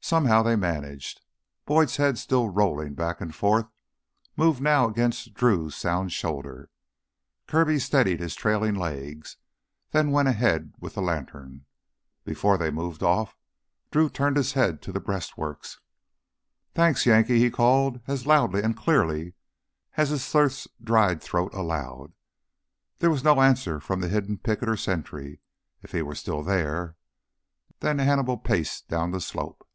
Somehow they managed. Boyd's head, still rolling back and forth, moved now against Drew's sound shoulder. Kirby steadied his trailing legs, then went ahead with the lantern. Before they moved off, Drew turned his head to the breastworks. "Thanks, Yankee!" He called as loudly and clearly as his thirst dried throat allowed. There was no answer from the hidden picket or sentry if he were still there. Then Hannibal paced down the slope.